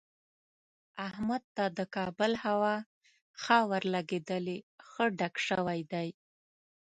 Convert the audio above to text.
احمد ته د کابل هوا ښه ورلګېدلې، ښه ډک شوی دی.